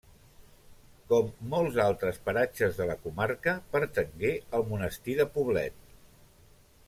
Com molts altres paratges de la comarca, pertangué al monestir de Poblet.